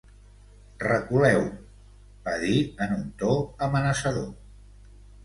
Reculeu, va dir en un to amenaçador.